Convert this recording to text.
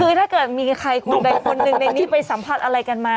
คือถ้าเกิดมีใครคนใดคนหนึ่งในนี้ไปสัมผัสอะไรกันมา